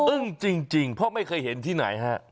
จริงเพราะไม่เคยเห็นที่ไหนฮะ